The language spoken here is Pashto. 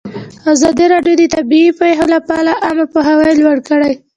ازادي راډیو د طبیعي پېښې لپاره عامه پوهاوي لوړ کړی.